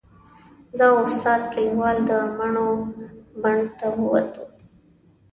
زه او استاد کلیوال د مڼو بڼ ته ووتو.